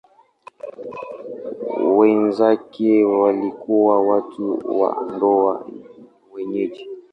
Wenzake walikuwa watu wa ndoa wenyeji.